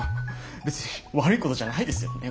別に悪いことじゃないですよね